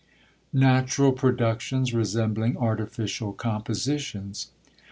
NATURAL PRODUCTIONS RESEMBLING ARTIFICIAL COMPOSITIONS.